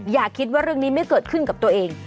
อย่าคิดว่าเรื่องนี้ไม่เกิดขึ้นกับตัวเอง